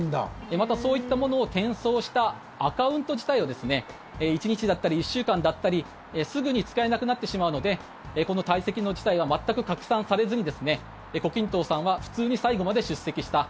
また、そういったものを転送したアカウント自体を１日だったり１週間だったりすぐに使えなくなってしまうのでこの退席の事態は全く拡散されずに胡錦涛さんは普通に最後まで出席した。